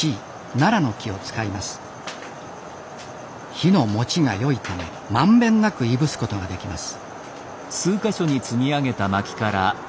火のもちがよいため満遍なくいぶすことができます。